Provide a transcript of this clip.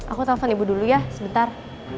aku telpon ibu dulu ya sebentar